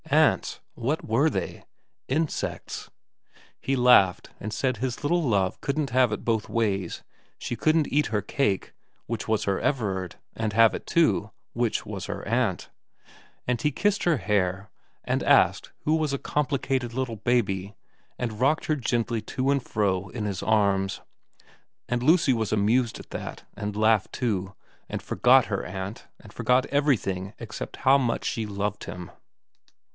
Aunts. What were they ? Insects. He laughed, and said his little love couldn't have it both ways ; she couldn't eat her cake, which was her Everard, and have it too, which was her aunt ; and he kissed her hair and asked who was a complicated little baby, and rocked her gently to and fro in his arms, and Lucy was amused at that and laughed too, and forgot her aunt, and forgot everything except how much she loved him.